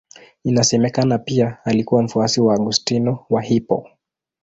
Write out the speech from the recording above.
Inasemekana pia alikuwa mfuasi wa Augustino wa Hippo.